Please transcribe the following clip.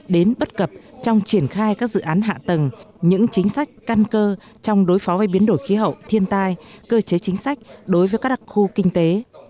đến bất cập trong triển khai các dự án hạ tầng những chính sách căn cơ trong đối phó với biến đổi khí hậu thiên tai cơ chế chính sách đối với các đặc khu kinh tế